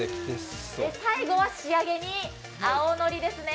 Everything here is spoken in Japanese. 最後は仕上げに、青のりですね。